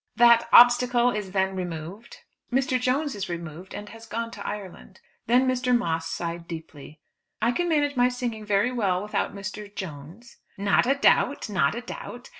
"That obstacle is then removed?" "Mr. Jones is removed, and has gone to Ireland." Then Mr. Moss sighed deeply. "I can manage my singing very well without Mr. Jones." "Not a doubt. Not a doubt.